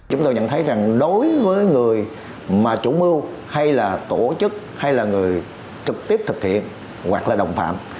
chúng tôi nhận thấy rằng đối với người mà chủ mưu hay là tổ chức hay là người trực tiếp thực hiện hoặc là đồng phạm